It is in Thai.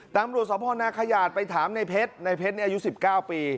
ตามบริโรศาสตร์พ่อนาขยาดไปถามนายเพชรนายเพชรนี้อายุ๑๙ปี